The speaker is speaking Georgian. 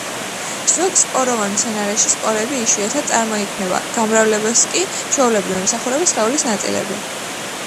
ზოგ სპოროვან მცენარეში სპორები იშვიათად წარმოიქმნება, გამრავლებას კი ჩვეულებრივ, ემსახურება სხეულის ნაწილები.